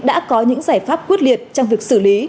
đã có những giải pháp quyết liệt trong việc xử lý